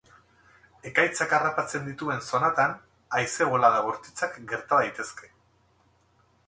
Ekaitzak harrapatzen dituen zonatan haize-bolada bortitzak gerta daitezke.